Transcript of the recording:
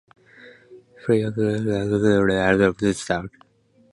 Flair bartending is sometimes referred to as "extreme bartending" or contracted to "flairtending".